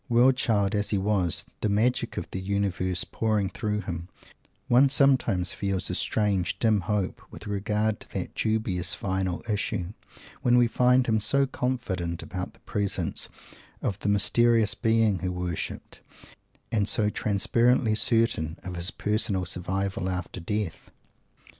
World child, as he was, the magic of the universe pouring through him, one sometimes feels a strange, dim hope with regard to that dubious general Issue, when we find him so confident about the presence of the mysterious Being he worshipped; and so transparently certain of his personal survival after Death!